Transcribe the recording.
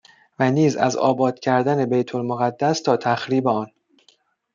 و نیز از آباد کردن بیت المقدس تا تخریب آن